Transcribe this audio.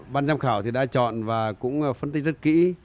ban giám khảo đã chọn và cũng phân tích rất kỹ